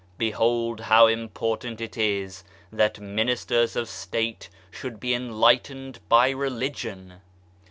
Behold how important it is that Ministers of State should be enlightened by Religion